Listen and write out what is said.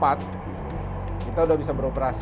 jadi kita sudah bisa beroperasi